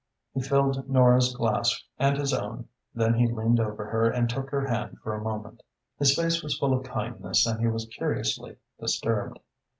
He filled Nora's glass and his own. Then he leaned over her and took her hand for a moment. His face was full of kindness and he was curiously disturbed.